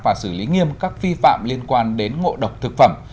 và xử lý nghiêm các phi phạm liên quan đến ngộ độc thực phẩm